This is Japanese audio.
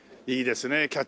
いいですねえ